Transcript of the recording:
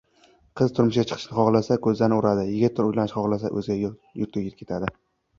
• Qiz turmushga chiqishni xohlasa, ko‘zani uradi; yigit uylanishni xohlasa ― o‘zga yurtga ketadi.